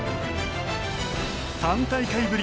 ３大会ぶり